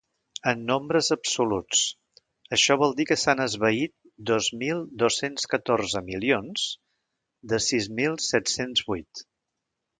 En nombres absoluts, això vol dir que s’han esvaït dos mil dos-cents catorze milions de sis mil set-cents vuit.